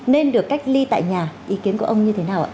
nên được cách ly tại nhà ý kiến của ông như thế nào ạ